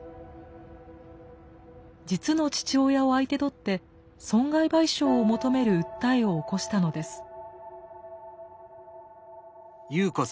実の父親を相手取って損害賠償を求める訴えを起こしたのです。